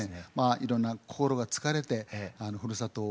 いろんな心が疲れてふるさとをね